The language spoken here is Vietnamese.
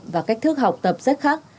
và cách thức học tập rất khác